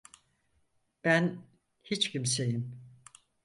Ben hiç kimseyim.